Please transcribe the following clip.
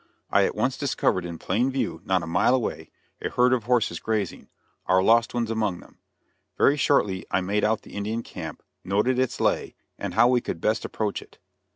I at once discovered in plain view, not a mile away, a herd of horses grazing, our lost ones among them; very shortly I made out the Indian camp, noted its lay, and how we could best approach it.